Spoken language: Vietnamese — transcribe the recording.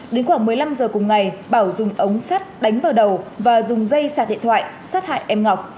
đến khoảng một mươi năm giờ cùng ngày bảo dùng ống sắt đánh vào đầu và dùng dây sạc điện thoại sát hại em ngọc